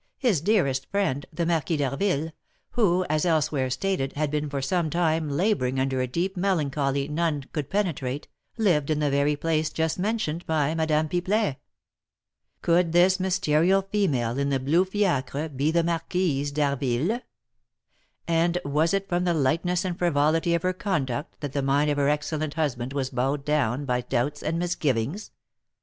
His dearest friend, the Marquis d'Harville, who, as elsewhere stated, had been for some time labouring under a deep melancholy none could penetrate, lived in the very place just mentioned by Madame Pipelet. Could this mysterious female in the blue fiacre be the Marquise d'Harville? And was it from the lightness and frivolity of her conduct that the mind of her excellent husband was bowed down by doubts and misgivings?